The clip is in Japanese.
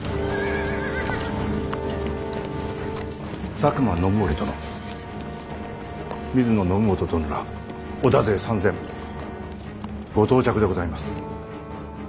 佐久間信盛殿水野信元殿ら織田勢３，０００ご到着でございます。